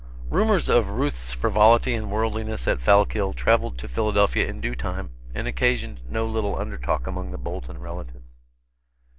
Rumors of Ruth's frivolity and worldliness at Fallkill traveled to Philadelphia in due time, and occasioned no little undertalk among the Bolton relatives.